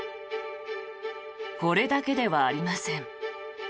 これだけではありません。